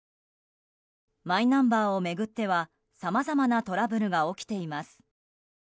マイナンバーを巡ってはさまざまなトラブルが起きています。